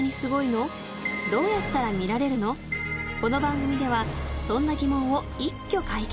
この番組ではそんな疑問を一挙解決！